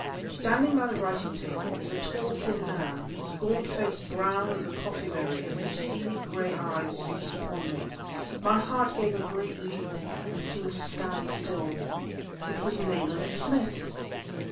Standing by the writing table was a tall, thin man, his gaunt face brown as a coffee berry and his steely gray eyes fixed upon me. My heart gave a great leap and seemed to stand still. It was Nayland Smith!